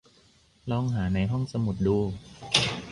ลองหาในห้องสมุดดู